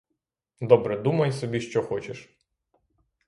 Добре, думай собі, що хочеш.